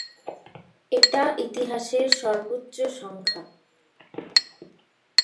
এটা ইতিহাসের সর্বোচ্চ সংখ্যা।